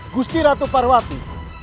gusti ratu parwati